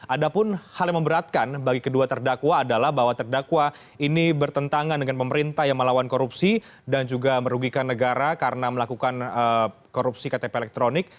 ada pun hal yang memberatkan bagi kedua terdakwa adalah bahwa terdakwa ini bertentangan dengan pemerintah yang melawan korupsi dan juga merugikan negara karena melakukan korupsi ktp elektronik